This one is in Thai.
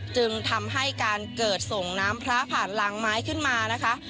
จึงทำให้การเกิดส่งน้ำพระผ่านรางไม้ขึ้นมานะคะ